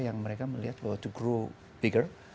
yang mereka melihat to grow bigger